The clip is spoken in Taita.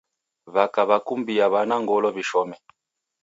W'aka w'akumbia w'ana ngolo w'ishome.